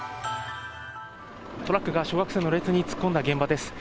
トラックが小学生の列に突っ込んだ現場です。